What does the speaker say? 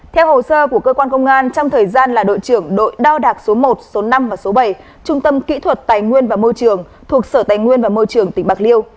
theo hồ sơ của cơ quan công an trong thời gian là đội trưởng đội đo đạc số một số năm và số bảy trung tâm kỹ thuật tài nguyên và môi trường thuộc sở tài nguyên và môi trường tỉnh bạc liêu